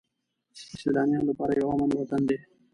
د سیلانیانو لپاره یو امن وطن دی.